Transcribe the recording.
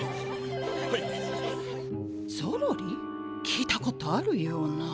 聞いたことあるような。